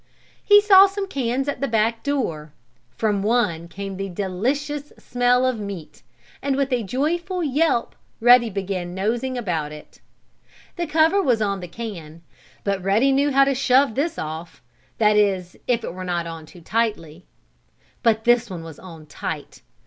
He saw some cans at the back door. From one came the delicious smell of meat, and with a joyful yelp Ruddy began nosing about it. The cover was on the can, but Ruddy knew how to shove this off that is if it were not on too tightly. But this one was tight.